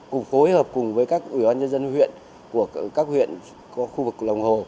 cùng phối hợp cùng với các ủy ban nhân dân huyện của các huyện có khu vực lòng hồ